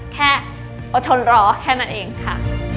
แค่อดทนรอแค่นั้นเองค่ะ